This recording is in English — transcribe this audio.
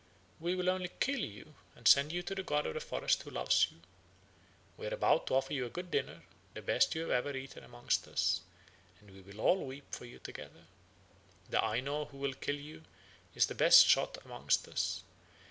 We will only kill you and send you to the god of the forest who loves you. We are about to offer you a good dinner, the best you have ever eaten among us, and we will all weep for you together. The Aino who will kill you is the best shot among us.